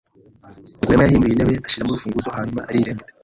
Rwema yahinduye intebe, ashyiramo urufunguzo, hanyuma arigendera.